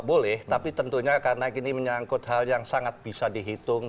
boleh tapi tentunya karena ini menyangkut hal yang sangat bisa dihitung